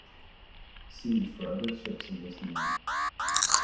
See for other ships of this name.